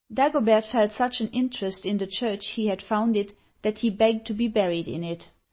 Dagobert felt such an interest in the church he had founded, that he begged to be buried in it.